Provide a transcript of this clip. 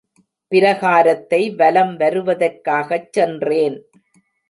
பிரகாரத்தை வலம் வருவதற்காகச் சென்றேன்.